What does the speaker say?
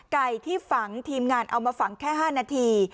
ไก่ที่ฝังทีมงานเอามาฝังแค่๕นาที